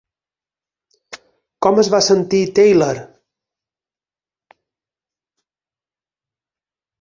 Com es va sentir Taylor?